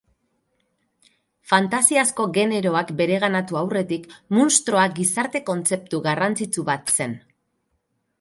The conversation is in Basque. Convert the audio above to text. Fantasiazko generoak bereganatu aurretik, munstroa gizarte kontzeptu garrantzitsu bat zen.